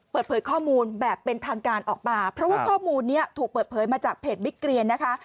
เปิดเผยข้อมูลแบบเป็นทางการออกมาเพราะว่าข้อมูลนี้ถูกเปิดเผยมาจากเพจบิ๊กเรียนนะคะ